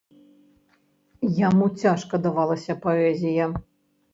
Яму цяжка давалася паэзія.